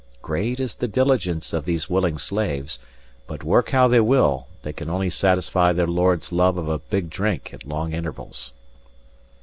Great is the diligence of these willing slaves; but, work how they will, they can only satisfy their lords' love of a big drink at long intervals.